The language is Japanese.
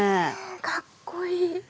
かっこいい。